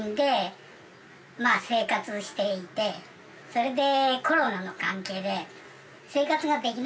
それで。